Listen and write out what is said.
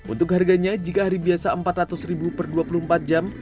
untuk harganya jika hari biasa rp empat ratus per dua puluh empat jam